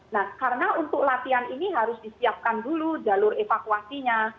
nah karena untuk latihan ini harus disiapkan dulu jalur evakuasinya